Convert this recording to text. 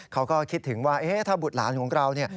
เขาก็คิดถึงว่าถ้าบุตรหลานของเราเนี่ย